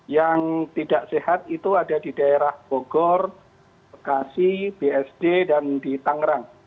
yang tidak sehat itu ada di daerah bogor bekasi bsd dan di tangerang